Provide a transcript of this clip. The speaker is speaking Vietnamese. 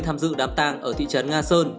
tham dự đám tàng ở thị trấn nga sơn